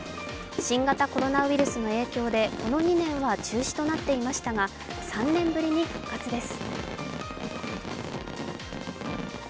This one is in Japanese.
新型コロナウイルスの影響でこの２年は中止となっていましたが３年ぶりに復活です。